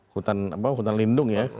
hutan apa hutan lindung ya